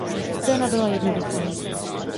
Scéna byla jednoduchá.